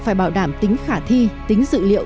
phải bảo đảm tính khả thi tính dự liệu